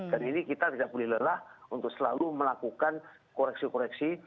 dan ini kita tidak boleh lelah untuk selalu melakukan koreksi koreksi